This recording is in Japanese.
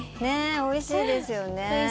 おいしいですよね。